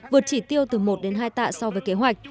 vượt chỉ tiêu từ một đến hai tạ so với kế hoạch